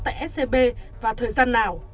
tại scb và thời gian nào